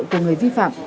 của người vi phạm